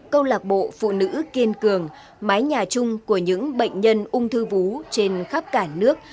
câu lạc bộ phụ nữ kiên cường mái nhà chung của những bệnh nhân ung thư vú trên khắp cả nước